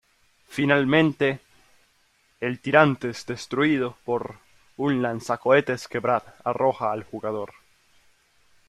Finalmente el Tyrant es destruido por un lanzacohetes que Brad arroja al jugador.